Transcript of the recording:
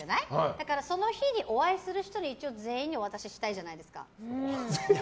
だから、その日にお会いする人全員にお渡ししたいじゃないですか。